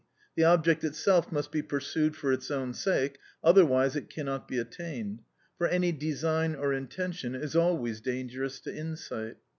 The object itself must be pursued for its own sake, otherwise it cannot be attained; for any design or intention is always dangerous to insight.